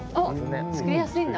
おっ！作りやすいんだ。